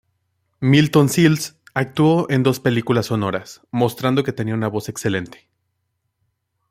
Milton Sills actuó en dos películas sonoras, mostrando que tenía una voz excelente.